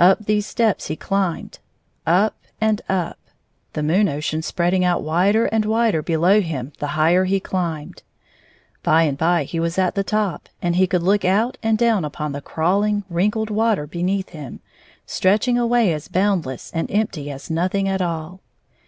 Up these steps he climbed, up and up, the moonK)ceaii spreadii^ out wider and wider below him the higher he climbed. By and by he was at the top, and he could look out and down upon the crawling, wrinkled water beneath him, stretch ing away as boundless and empty as nothing at all.